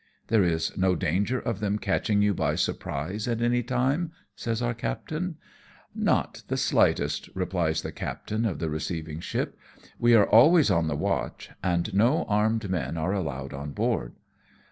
" There is no danger of them catching you by surprise at any time ?" says our captain. "Not the slightest/' replies the captain of the receiving ship ;" we are always on the watch, and no armed men are allowed on board.